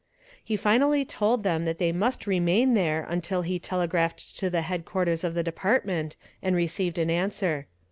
He finally told them that they must remain there until he telegraphed to the headquarters of the department and received an answer.